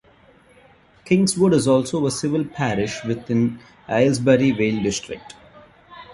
Kingswood is also a civil parish within Aylesbury Vale district.